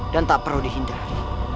dan tak perlu dihindari